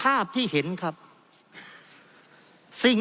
เพราะเรามี๕ชั่วโมงครับท่านนึง